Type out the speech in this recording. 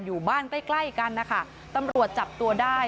อยู่บ้านใกล้ใกล้กันนะคะตำรวจจับตัวได้